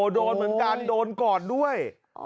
ดูเลือดโดนก่อนด้วย